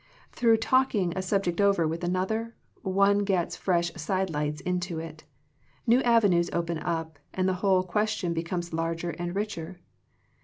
Through talk ing a subject over with another, one gets fresh side lights into it, new avenues open up, and the whole ques tion becomes larger and richer.